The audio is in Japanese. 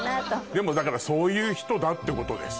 でもだからそういう人だってことです。